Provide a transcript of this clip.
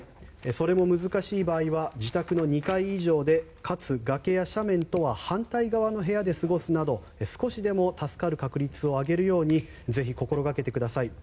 それも難しい場合は自宅の２階以上でかつ崖や斜面とは反対側の部屋で過ごすなど少しでも助かる確率を上げるようにぜひ心がけてください。